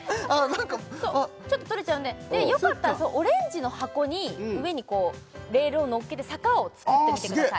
何かちょっと取れちゃうのでよかったらオレンジの箱に上にこうレールをのっけて坂をつくってみてください